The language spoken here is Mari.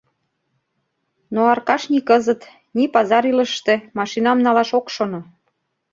Но Аркаш ни кызыт, ни пазар илышыште машинам налаш ок шоно.